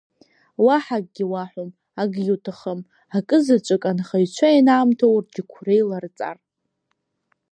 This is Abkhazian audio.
Уаҳа акгьы уаҳәом, акгьы уҭахым, акызацәык анхаҩцәа ианаамҭоу рџьықәреи ларҵар…